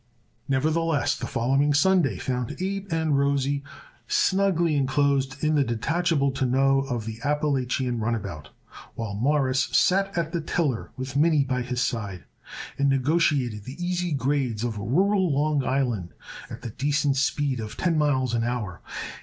Nevertheless the following Sunday found Abe and Rosie snugly enclosed in the detachable tonneau of the Appalachian runabout, while Morris sat at the tiller with Minnie by his side and negotiated the easy grades of rural Long Island at the decent speed of ten miles an hour.